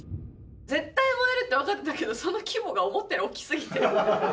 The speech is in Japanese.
絶対燃えるって分かってたけど、その規模が思ったより大きすぎて。